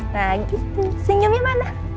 nah gitu senyumnya mana